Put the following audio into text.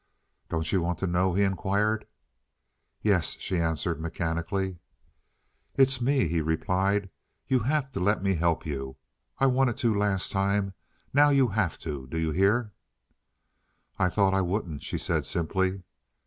"Don't you want to know?" he inquired. "Yes," she answered mechanically. "It's me," he replied. "You have to let me help you. I wanted to last time. Now you have to; do you hear?" "I thought I wouldn't," she said simply.